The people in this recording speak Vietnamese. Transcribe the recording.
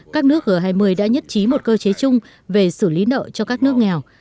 các nước g hai mươi đã nhất trí một cơ chế chung về xử lý nợ cho các nước nghèo